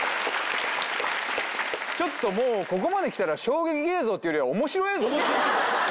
ちょっともうここまで来たら衝撃映像っていうよりは面白映像ですね。